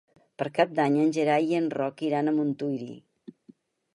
Per Cap d'Any en Gerai i en Roc iran a Montuïri.